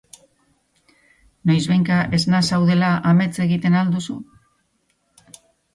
Noizbehinka esna zaudela amets egiten al duzu?